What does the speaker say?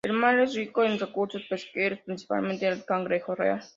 El mar es rico en recursos pesqueros, principalmente el cangrejo real.